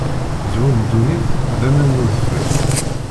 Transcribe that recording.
Zzhu n ddunit d aman n udfel.